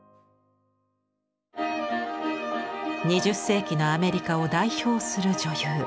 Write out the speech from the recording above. ２０世紀のアメリカを代表する女優